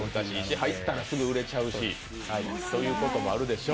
入ったらすぐ売れちゃうしということもあるでしょう。